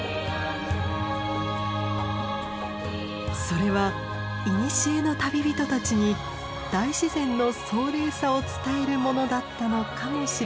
それはいにしえの旅人たちに大自然の壮麗さを伝えるものだったのかもしれません。